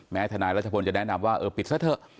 ทนายรัชพลจะแนะนำว่าเออปิดซะเถอะ